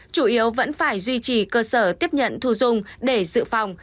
chủ yếu vẫn phải duy trì cơ sở tiếp nhận thu dung để dự phòng